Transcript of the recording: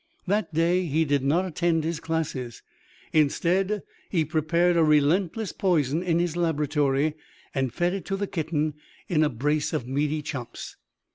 That day he did not attend his classes. Instead, he prepared a relentless poison in his laboratory and fed it to the kitten in a brace of meaty chops.